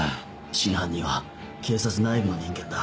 真犯人は警察内部の人間だ。